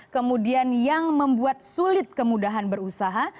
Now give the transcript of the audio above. kemudian yang membuat sulit kemudahan berusaha